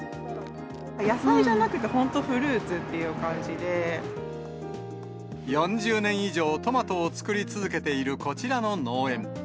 野菜じゃなくて、本当にフル４０年以上、トマトを作り続けているこちらの農園。